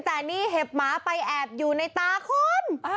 แต่นี่เห็บหมาไปแอบอยู่ในตาคน